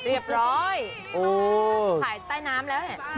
เรียบร้อยถ่ายใต้น้ำแล้วเนี่ย